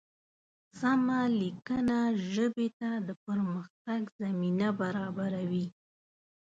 سمه لیکنه ژبې ته د پرمختګ زمینه برابروي.